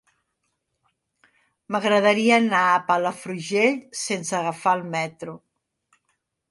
M'agradaria anar a Palafrugell sense agafar el metro.